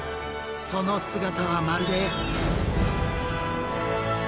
その姿はまるで。